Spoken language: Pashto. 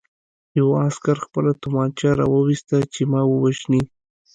یوه عسکر خپله توپانچه را وویسته چې ما ووژني